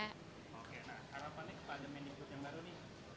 harapannya kepada kemendikbud yang baru nih